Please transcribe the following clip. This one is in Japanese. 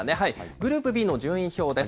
グループＢの順位表です。